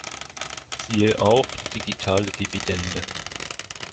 Siehe auch Digitale Dividende.